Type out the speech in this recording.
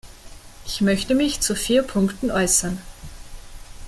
Ich möchte mich zu vier Punkten äußern.